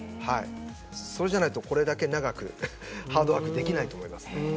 そうじゃないと、これだけ長くハードワークはできないと思います。